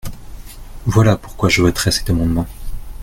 Voilà pourquoi je voterai cet amendement.